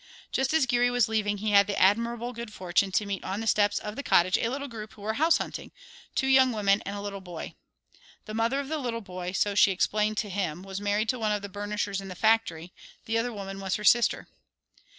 Just as Geary was leaving he had the admirable good fortune to meet on the steps of the cottage a little group who were house hunting; two young women and a little boy. The mother of the little boy, so she explained to him, was married to one of the burnishers in the factory; the other woman was her sister.